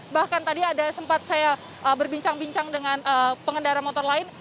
bahkan tadi ada sempat saya berbincang bincang dengan pengendara motor lain